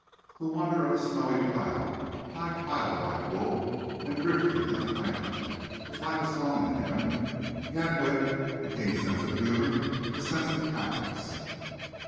The wonder of a snowy cloud, high piled like wool, and drifting as an island, was like a song to him. He had wit, a keen sense of humor, a sense of pathos.